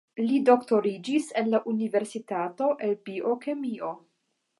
Li doktoriĝis en la universitato el biokemio.